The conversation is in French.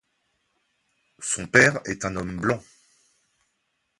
Son père est un homme blanc.